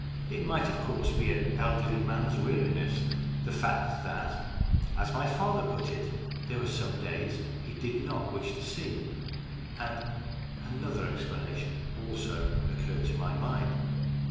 It might of course be an elderly man's weariness the fact that, as my father put it, there were some days he did not wish to see, and another explanation also occurred to my mind.